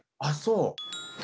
あっそう。